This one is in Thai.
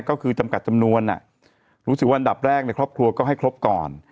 ก็คือจำกัดจำนวนรู้สึกว่าอันดับแรกในครอบครัวก็ให้ครบก่อน